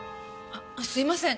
すいません